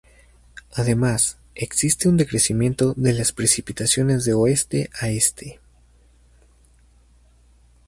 Además, existe un decrecimiento de las precipitaciones de oeste a este.